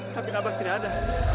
tapi nabas tidak ada